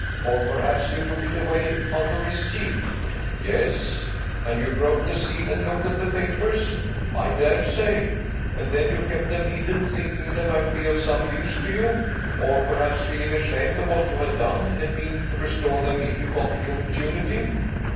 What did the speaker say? "Or, perhaps, you took it away out of mischief?" "Yes." "And you broke the seal, and looked at the papers?" "I dare say." "And then you kept them hidden, thinking they might be of some use to you? Or perhaps feeling ashamed of what you had done, and meaning to restore them if you got the opportunity?"